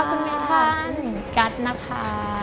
คุณมีท่านกั๊ดนะคะ